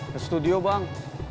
ke studio bang